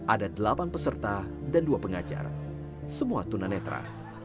ada delapan peserta dan dua pengajar semua tunanetra